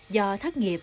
do thất nghiệp